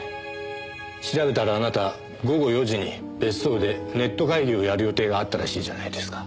調べたらあなた午後４時に別荘でネット会議をやる予定があったらしいじゃないですか。